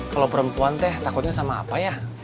kalau perempuan teh takutnya sama apa ya